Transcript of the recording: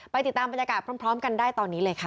ติดตามบรรยากาศพร้อมกันได้ตอนนี้เลยค่ะ